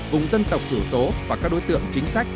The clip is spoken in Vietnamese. vùng dân tộc thiểu số và các đối tượng chính sách